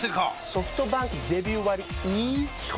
ソフトバンクデビュー割イズ基本